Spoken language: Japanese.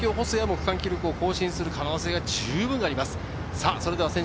細谷も区間記録を更新する可能性が十分あります。